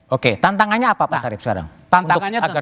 oke tantangannya apa pak sarip sekarang